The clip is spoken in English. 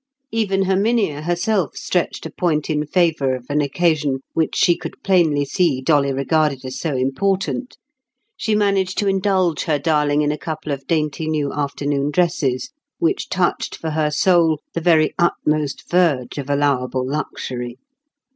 Even Herminia herself stretched a point in favour of an occasion which she could plainly see Dolly regarded as so important; she managed to indulge her darling in a couple of dainty new afternoon dresses, which touched for her soul the very utmost verge of allowable luxury.